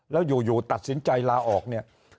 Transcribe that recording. แล้วอยู่ตัดสินใจลาออกเนี่ย